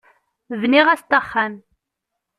Bniɣ-asent axxam.